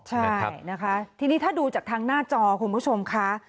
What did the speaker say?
ใช่นะคะทีนี้ถ้าดูจากทางหน้าจอคุณผู้ชมค่ะ